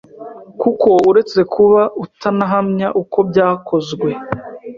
kuko uretse kuba utanahamya uko byakozwe